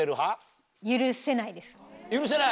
許せない？